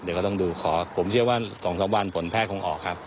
เดี๋ยวก็ต้องดูขอผมเชื่อว่า๒๓วันผลแพทย์คงออกครับ